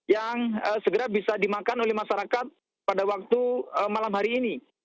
yang segera bisa dimakan oleh masyarakat pada waktu malam hari ini